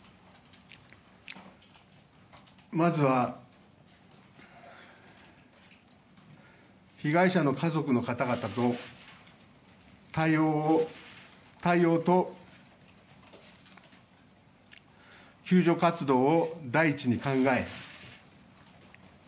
まずは被害者の家族の方々と対応と救助活動を第一に考え